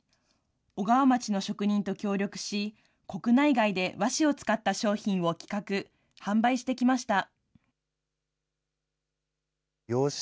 小川町の職人と協力し、国内外で和紙を使った商品を企画、販売してきました。